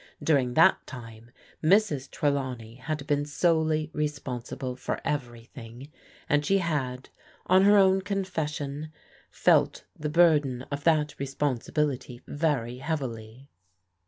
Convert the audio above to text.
During that time Mrs. Trelawney had been solely responsible for everything, and she had, on her own confession, felt the burden of that responsibility very heavily.